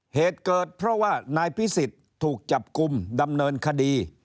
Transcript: เหตุเกิดเพราะว่านายพิสิทธิ์ถูกจับกลุ่มดำเนินคดี